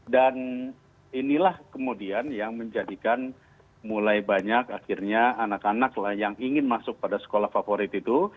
dan inilah kemudian yang menjadikan mulai banyak akhirnya anak anak yang ingin masuk pada sekolah favorit itu